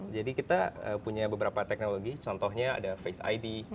kita punya beberapa teknologi contohnya ada face id